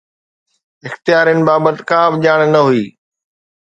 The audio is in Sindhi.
اختيارن بابت ڪا به ڄاڻ نه هئي